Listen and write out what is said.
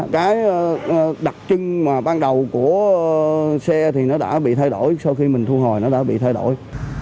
cái đặc trưng mà ban đầu của xe thì nó đã bị thay đổi sau khi mình thu hồi nó đã bị thay đổi